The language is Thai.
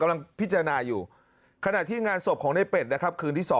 กำลังพิจารณาอยู่ขณะที่งานศพของในเป็ดนะครับคืนที่๒